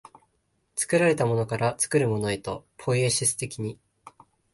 作られたものから作るものへと、ポイエシス的に、